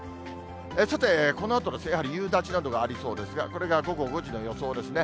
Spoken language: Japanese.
さて、このあとですね、やはり夕立などがありそうですが、これが午後５時の予想ですね。